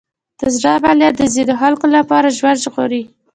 د زړه عملیات د ځینو خلکو لپاره ژوند ژغوري.